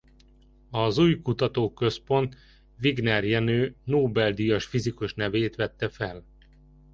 Az új Kutatóközpont Wigner Jenő Nobel-díjas fizikus nevét vette fel.